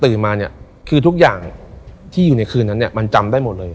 ตื่นมาคือทุกอย่างที่อยู่ในคืนนั้นมันจำได้หมดเลย